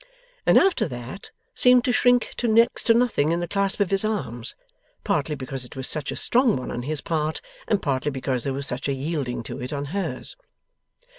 And after that, seemed to shrink to next to nothing in the clasp of his arms, partly because it was such a strong one on his part, and partly because there was such a yielding to it on hers.